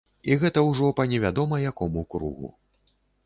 І гэта ўжо па невядома якому кругу.